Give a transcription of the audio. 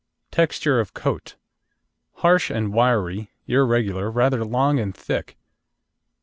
TEXTURE OF COAT Harsh and wiry, irregular, rather long and thick.